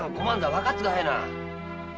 分かって下さいな。